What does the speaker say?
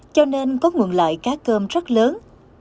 cho nên có nguồn loại cá cơm rất lớn